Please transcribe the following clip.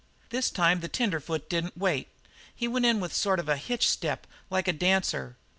"This time the tenderfoot didn't wait. He went in with a sort of hitch step, like a dancer.